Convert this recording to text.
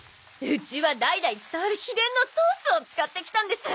うちは代々伝わる秘伝のソースを使ってきたんです！